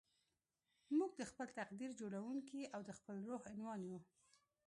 موږ د خپل تقدير جوړوونکي او د خپل روح عنوان يو.